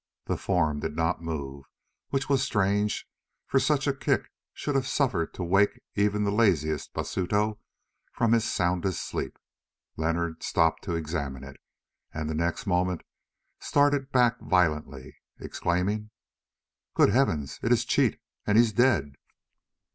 The form did not move, which was strange, for such a kick should have suffered to wake even the laziest Basuto from his soundest sleep. Leonard stopped to examine it, and the next moment started back violently, exclaiming: "Great heavens! it is Cheat, and he is dead."